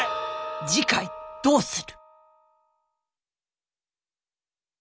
次回どうする。